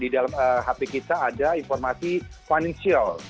di dalam hp kita ada informasi financial